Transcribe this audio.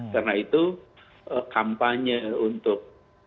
karena itu kampanye untuk